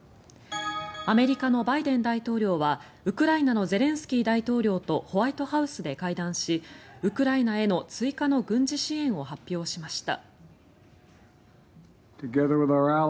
アメリカのバイデン大統領はウクライナのゼレンスキー大統領とホワイトハウスで会談しウクライナへの追加の軍事支援を発表しました。